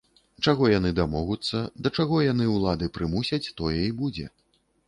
Чаго яны дамогуцца, да чаго яны ўлады прымусяць, тое і будзе.